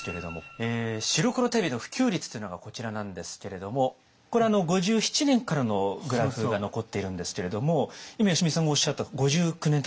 白黒テレビの普及率というのがこちらなんですけれどもこれ５７年からのグラフが残っているんですけれども今吉見さんがおっしゃった５９年というのはこの辺りですよね。